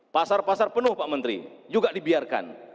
pasar pasar penuh pak menteri juga dibiarkan